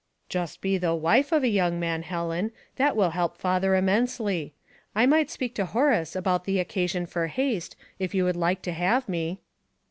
" Just be the wife of a young man, Helen ; that will help father immensely. I might speak to Horace about the occasion for haste if you would like to have me."